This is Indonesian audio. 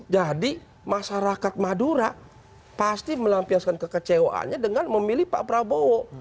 jadi masyarakat madura pasti melampiaskan kekecewaannya dengan memilih pak prabowo